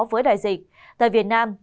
với đại dịch tại việt nam